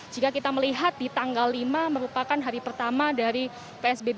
jika kita melihat di tanggal lima merupakan hari pertama dari psbb